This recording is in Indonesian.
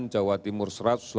jawa timur satu ratus delapan puluh